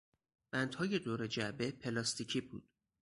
بندهای دور جعبه پلاستیکی بود.